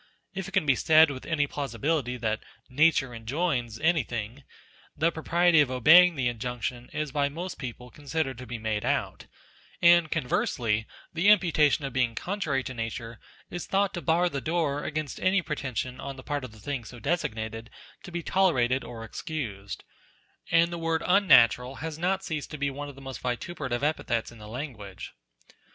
If it can be said with any plausibility that "nature enjoins" anything, the propriety of obeying the injunction is by most people considered to be made out : and conversely, the imputation of being contrary to nature, is thought to bar the door against any pretension on the part of the thing so designated, to be tolerated or excused ; and the word unnatural has not ceased to be one of the most vituperative epithets in the language.